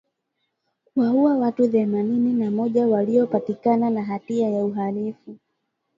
kuwaua watu themanini na moja waliopatikana na hatia ya uhalifu